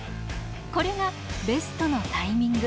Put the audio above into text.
これがベストのタイミング。